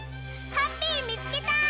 ハッピーみつけた！